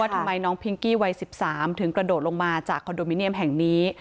ทำไมน้องพิงกี้วัย๑๓ถึงกระโดดลงมาจากคอนโดมิเนียมแห่งนี้